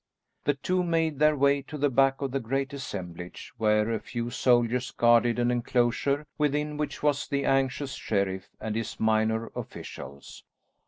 The two made their way to the back of the great assemblage where a few soldiers guarded an enclosure within which was the anxious sheriff and his minor officials.